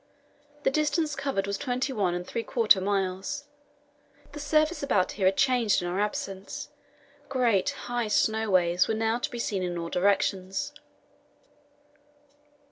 The distance covered was twenty one and three quarter miles. The surface about here had changed in our absence; great, high snow waves were now to be seen in all directions.